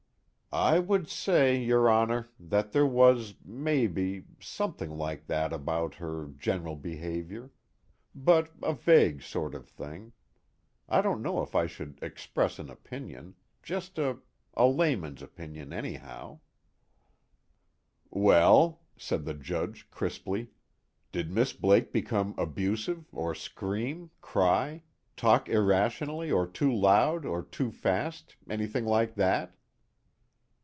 "I would say, your Honor, that there was, maybe, something like that about her general behavior. But a vague sort of thing I don't know if I should express an opinion, just a a layman's opinion anyhow " "Well," said the Judge crisply, "did Miss Blake become abusive, or scream, cry, talk irrationally or too loud or too fast, anything like that?"